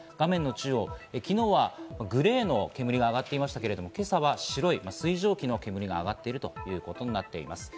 中央、昨日はグレーの煙が上がっていましたが、今朝は白い水蒸気の煙が上がっているということになります。